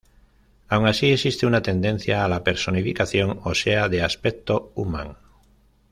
Aun así, existe una tendencia a la personificación, o sea, de aspecto human.